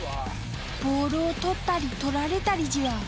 ボールを取ったり取られたりじわ。